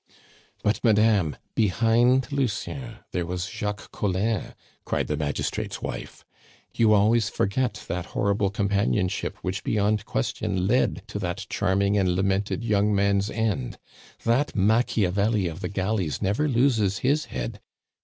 "But, madame, behind Lucien there was Jacques Collin!" cried the magistrate's wife. "You always forget that horrible companionship which beyond question led to that charming and lamented young man's end. That Machiavelli of the galleys never loses his head!